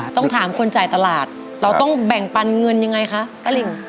ต้องถามคนจ่ายตลาดเราต้องแบ่งปันเงินยังไงคะตะหลิ่ง